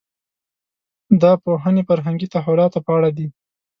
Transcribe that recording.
دا پوهنې فرهنګي تحولاتو په اړه دي.